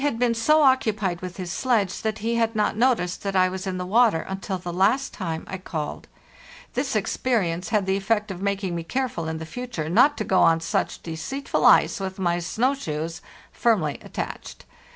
Eiebakke, from a photograph) an" L1HE JOURNEY SOUTHWARD 497 so occupied with his sledge that he had not noticed that I was in the water until the last time I called. This ex perience had the effect of making me careful in the fut ure not to go on such deceitful ice with my snow shoes firmly attached.